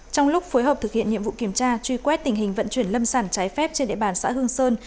trong lúc phối hợp thực hiện nhiệm vụ kiểm tra truy quét tình hình vận chuyển lâm sản trái phép trên địa bàn xã hương sơn